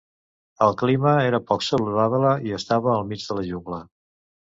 El clima era poc saludable i estava al mig de la jungla.